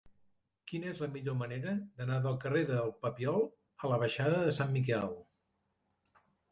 Quina és la millor manera d'anar del carrer del Papiol a la baixada de Sant Miquel?